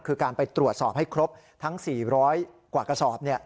คือการไปตรวจสอบให้ครบทั้ง๔๐๐กว่ากระสอบ